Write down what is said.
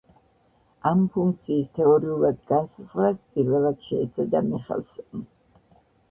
ამ ფუნქციის თეორიულად განსაზღვრას პირველად შეეცადა მიხელსონი.